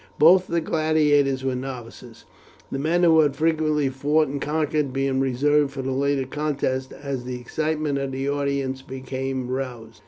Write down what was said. Both the gladiators were novices, the men who had frequently fought and conquered being reserved for the later contests, as the excitement of the audience became roused.